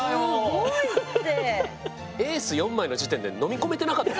すごいって。